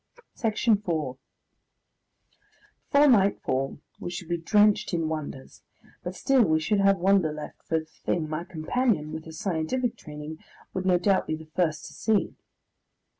Section 4 Before nightfall we should be drenched in wonders, but still we should have wonder left for the thing my companion, with his scientific training, would no doubt be the first to see.